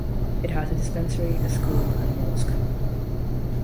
It has a dispensary, a school and a mosque.